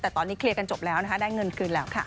แต่ตอนนี้เคลียร์กันจบแล้วนะคะได้เงินคืนแล้วค่ะ